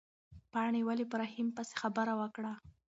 پاڼې ولې په رحیم پسې خبره وکړه؟